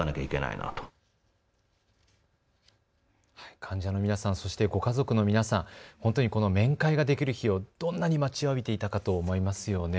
患者の皆さん、そしてご家族の皆さん、ほんとにこの面会ができる日をどんなに待ちわびていたかと思いますよね。